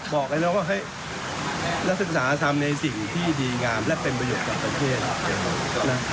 บอกเลยนะว่าเฮ้ยนักศึกษาทำในสิ่งที่ดีงามและเป็นประโยชน์กับประเทศนะ